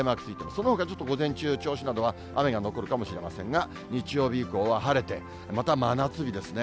そのほかはちょっと午前中、銚子などは雨が残るかもしれませんが、日曜日以降は晴れて、また真夏日ですね。